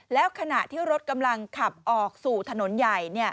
แล้วขณะที่รถกำลังขับออกสู่ถนนใหญ่